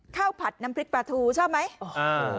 ข้าวผัดน้ำพริกปลาทูชอบไหมอ่า